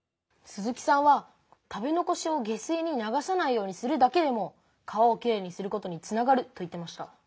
鈴木さんは食べ残しを下水に流さないようにするだけでも川をきれいにすることにつながると言ってました。